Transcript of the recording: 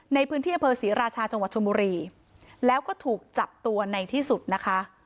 ในพื้นที่อำเภอศรีราชาจังหวัดชนบุรีแล้วก็ถูกจับตัวในที่สุดนะคะ